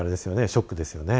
ショックですよね？